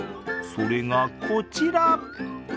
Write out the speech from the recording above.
それがこちら。